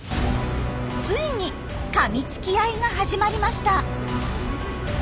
ついにかみつき合いが始まりました。